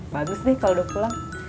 bagus deh kalau udah pulang